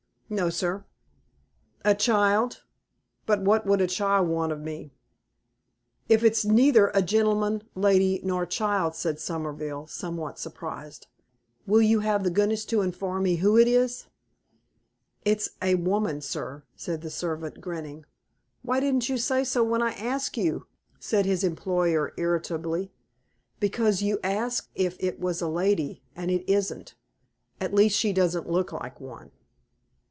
"No, sir." "A child? But what could a child want of me?" "If it's neither a gentleman, lady, nor child," said Somerville, somewhat surprised, "will you have the goodness to inform me who it is?" "It's a woman, sir," said the servant, grinning. "Why didn't you say so when I asked you?" said his employer, irritably. "Because you asked if it was a lady, and this isn't at least she don't look like one."